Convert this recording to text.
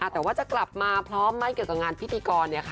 แต่ว่าจะกลับมาพร้อมไหมเกี่ยวกับงานพิธีกร